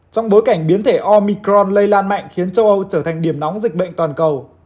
trong bối cảnh biến thể ormicron lây lan mạnh khiến châu âu trở thành điểm nóng dịch bệnh toàn cầu